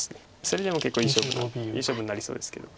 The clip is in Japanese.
それでも結構いい勝負ないい勝負になりそうですけど。